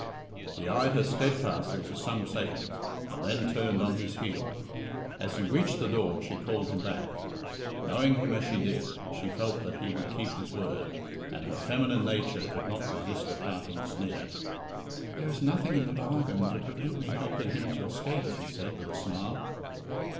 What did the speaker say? He eyed her steadfastly for some seconds, and then turned on his heel. As he reached the door she called him back. Knowing him as she did, she felt that he would keep his word, and her feminine nature could not resist a parting sneer. "There is nothing in the bargain to prevent me helping him to escape!" she said with a smile.